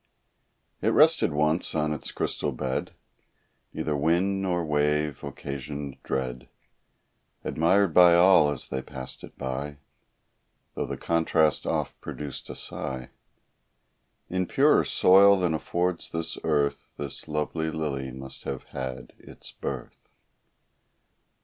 It rested once on its crystal bed; Neither wind, nor wave, occasioned dread; Admired by all as they passed it by, Though the contrast oft produced a sigh; In purer soil than affords this earth This lovely lily must have had its birth.